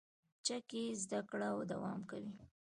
کتابچه کې زده کړه دوام کوي